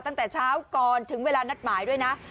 ตั้งแต่เช้าก่อนถึงเวลานัดหมายด้วยนะ